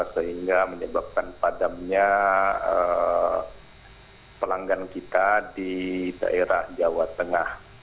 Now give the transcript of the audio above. sehingga menyebabkan padamnya pelanggan kita di daerah jawa tengah